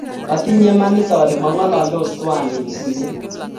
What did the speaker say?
Atinye imanit ale mangalaldos tuwai eng simet